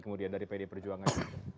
kemudian dari pdi perjuangan